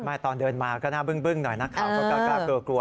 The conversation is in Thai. ไม่ตอนเดินมาก็น่าเบื้งหน่อยนักข่าวก็กล้าเกลือกลัว